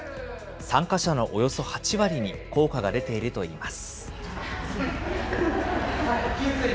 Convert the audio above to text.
参加者のおよそ８割に、効果が出ているといいます。